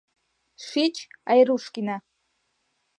Шич, Айрушкина!